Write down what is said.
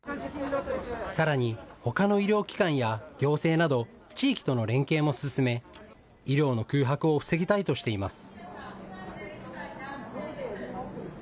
さらにほかの医療機関や行政など地域との連携も進め医療の空白を防ぎたいとしています。